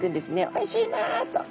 「おいしいな」と。